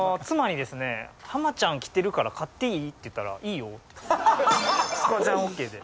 妻にですね浜ちゃん着てるから買っていい？って言ったら「いいよ」って。